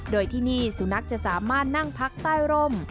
โดยที่นี่สุนัขจะสามารถนั่งพักใต้ร่ม